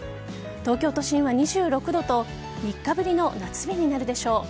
東京都心は２６度と３日ぶりの夏日になるでしょう。